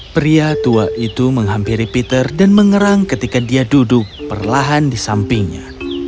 pria tua itu menghampiri peter dan mengerang ketika dia duduk perlahan di sampingnya